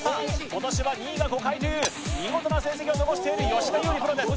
今年は、２位が５回という見事な成績を残している吉田優利プロです。